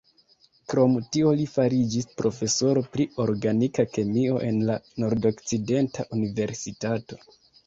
Krom tio li fariĝis profesoro pri organika kemio en la Nordokcidenta Universitato.